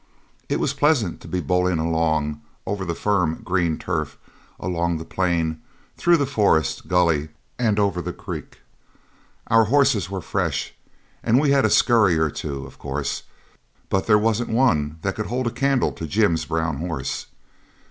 It was pleasant to be bowling along over the firm green turf, along the plain, through the forest, gully, and over the creek. Our horses were fresh, and we had a scurry or two, of course; but there wasn't one that could hold a candle to Jim's brown horse.